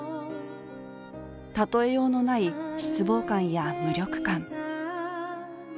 例えようのない失望感や無力感。